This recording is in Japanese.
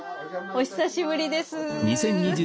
お久しぶりです。